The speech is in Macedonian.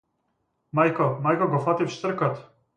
Мајко, мајко го фатив штркот.